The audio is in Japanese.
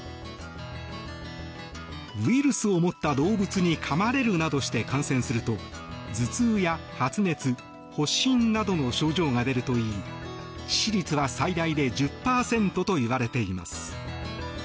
ウイルスを持った動物にかまれるなどして感染すると頭痛や発熱、発疹などの症状が出るといい致死率は最大で１０％といわれています。